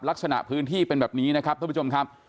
ลักษณะพื้นที่เป็นแบบนี้นะครับท่านผู้ชมครับ